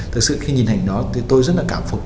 thực sự khi nhìn hành đó thì tôi rất là cảm phục